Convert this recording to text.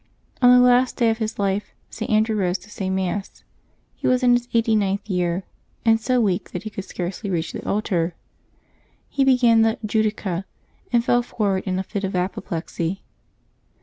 On the last day of his life, St. Andrew rose to say Mass. He was in his eighty ninth year, and so weak that he could scarcely reach the altar. He began the Judica," and fell forward in a fit of apoplexy.